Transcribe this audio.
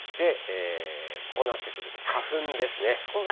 こうなってくると花粉ですね。